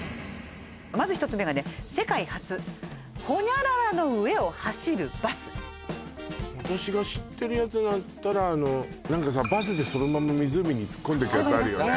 まず１つ目がね世界初○○の上を走るバス私が知ってるやつだったら何かさバスでそのまま湖に突っ込んでいくやつあるよね